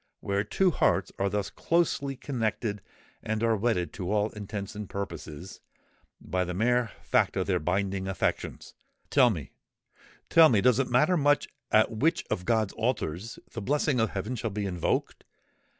But where two hearts are thus closely connected and are wedded to all intents and purposes, by the mere fact of their binding affections,—tell me—tell me, does it matter much at which of God's altars the blessing of heaven shall be invoked?